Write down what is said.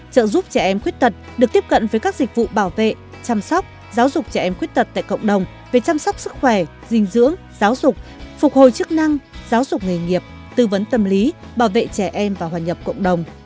trợ giúp trẻ em khuyết tật được tiếp cận với các dịch vụ bảo vệ chăm sóc giáo dục trẻ em khuyết tật tại cộng đồng về chăm sóc sức khỏe dinh dưỡng giáo dục phục hồi chức năng giáo dục nghề nghiệp tư vấn tâm lý bảo vệ trẻ em và hòa nhập cộng đồng